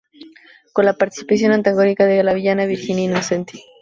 Con la participación antagónica de la villana Virginia Innocenti.